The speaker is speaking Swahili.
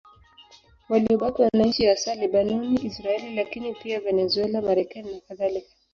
Waliobaki wanaishi hasa Lebanoni, Israeli, lakini pia Venezuela, Marekani nakadhalika.